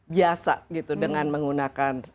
biasa dengan menggunakan